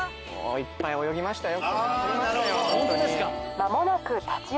いっぱい泳ぎましたよ。